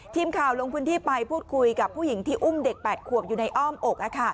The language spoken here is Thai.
ทีมข่าวลงพื้นที่ไปพูดคุยกับผู้หญิงที่อุ้มเด็ก๘ขวบอยู่ในอ้อมอก